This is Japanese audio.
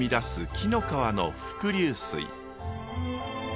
紀の川の伏流水。